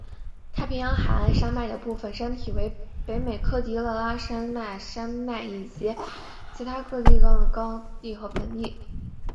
太平洋海岸山脉的部分山体为北美科迪勒拉山脉山脉以及其他各种高原和盆地。